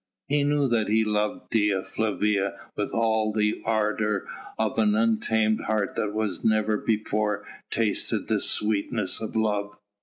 He knew that he loved Dea Flavia with all the ardour of an untamed heart that has never before tasted the sweetness of love.